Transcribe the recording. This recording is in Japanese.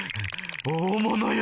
大物よ！